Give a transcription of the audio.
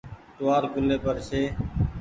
ٽووآل ڪولي پر ڇي۔